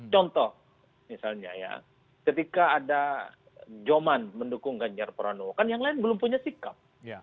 contoh misalnya ya ketika ada joman mendukung ganjar pranowo kan yang lain belum punya sikap